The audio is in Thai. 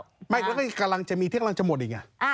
กำลังจะมีที่กำลังจะหมดอีก